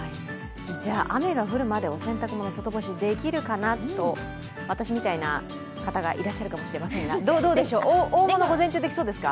雨の降る前まで洗濯、外干しできるかなと私みたいな方がいらっしゃるかもしれませんが、大物午前中いけそうですか？